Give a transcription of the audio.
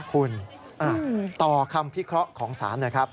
คุณต่อคำพิเคราะห์ของศาลหน่อยครับ